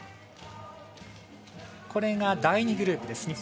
これが第２グループです。